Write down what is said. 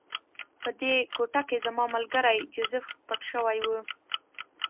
په دې کوټه کې زما ملګری جوزف پټ شوی و